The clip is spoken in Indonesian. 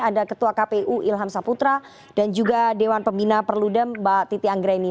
ada ketua kpu ilham saputra dan juga dewan pembina perludem mbak titi anggreni